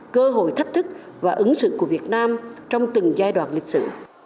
cơ hội thách thức và ứng xử của việt nam trong từng giai đoạn lịch sử